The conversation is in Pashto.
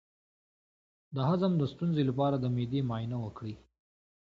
د هضم د ستونزې لپاره د معدې معاینه وکړئ